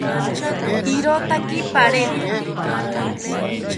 Irotaki pareto